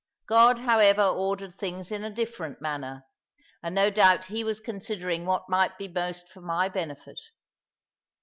God, however, ordered things in a different manner, and no doubt He was considering what might be most for my benefit.